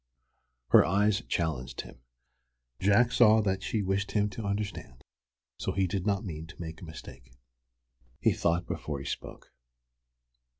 Her eyes challenged him. Jack saw that she wished him to understand, and so he did not mean to make a mistake. He thought before he spoke.